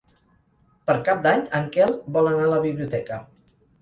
Per Cap d'Any en Quel vol anar a la biblioteca.